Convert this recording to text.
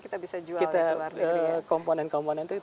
kita bisa jual di luar negeri ya